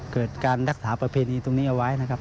เกิดการรักษาประเพณีตรงนี้เอาไว้นะครับ